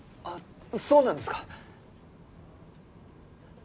あっそうなんですか。